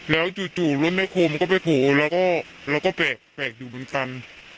แล้วจู่รถแม่โครบมันก็ไปโผล่แล้วก็แปลกอยู่บนกัน